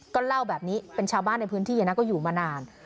ก็เล่าแบบนี้เป็นชาวบ้านในพื้นที่ก็อยู่มานาน